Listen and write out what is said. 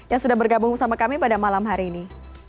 yang sudah bergabung bersama kami pada malam hari ini